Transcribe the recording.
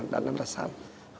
đắn nắm đặt sẵn